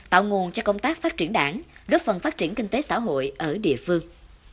tạo nguồn cho công tác phát triển đảng góp phần phát triển kinh tế xã hội ở địa phương